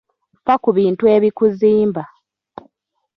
Ffa ku bintu ebikuzimba.